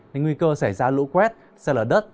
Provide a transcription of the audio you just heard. nên nguy cơ xảy ra lũ quét xa lở đất